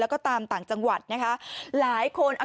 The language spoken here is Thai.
แล้วก็ตามต่างจังหวัดนะคะ